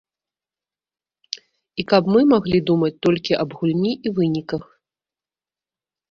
І каб мы маглі думаць толькі аб гульні і выніках.